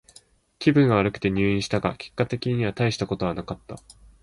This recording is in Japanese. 気分が悪くて入院したが、結果的にはたいしたことはなかった。